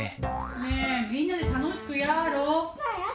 ねえみんなで楽しくやろう。